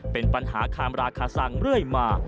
เป็นปัญหาคามราคาสังเรื่อยมา